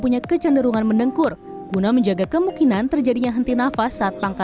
punya kecenderungan mendengkur guna menjaga kemungkinan terjadinya henti nafas saat pangkalan